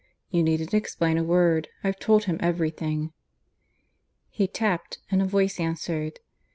"You needn't explain a word. I've told him everything." He tapped; and a voice answered.